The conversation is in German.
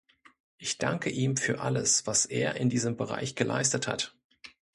Ich danke ihm für alles, was er in diesem Bereich geleistet hat.